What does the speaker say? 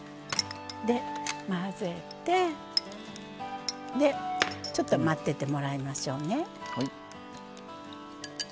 混ぜて、ちょっと待っててもらいましょうね。